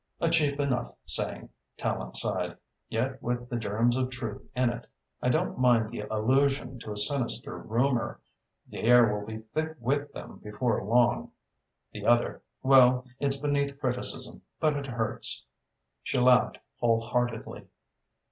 "A cheap enough saying," Tallente sighed, "yet with the germs of truth in it. I don't mind the allusion to a sinister rumour. The air will be thick with them before long. The other well, it's beneath criticism but it hurts." She laughed whole heartedly.